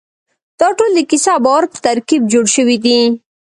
دا ټول د کیسې او باور په ترکیب جوړ شوي دي.